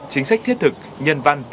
chính sách thiết thực nhân văn